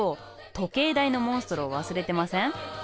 時計台のモンストロを忘れてません？